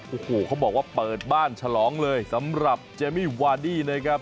โอ้โหเขาบอกว่าเปิดบ้านฉลองเลยสำหรับเจมมี่วาดี้นะครับ